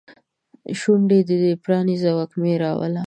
شونډې دې پرانیزه وږمې راوله